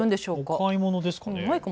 お買い物ですかね。